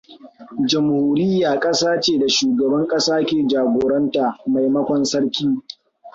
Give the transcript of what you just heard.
Jamhuriya ƙasa ce da shugaban ƙasa ke jagoranta maimakon sarki.